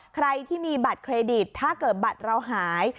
ใครที่มีบัตรเครดิตถ้าเกิดบัตรเราหาย